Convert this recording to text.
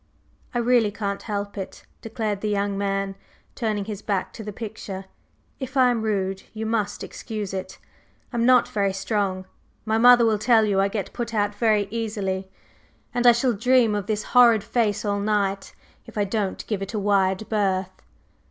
"I really can't help it," declared the young man, turning his back to the picture. "If I am rude, you must excuse it. I'm not very strong my mother will tell you I get put out very easily, and I shall dream of this horrid face all night if I don't give it a wide berth."